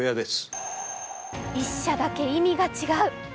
１社だけ意味が違う。